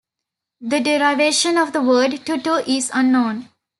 The derivation of the word "tutu" is unknown.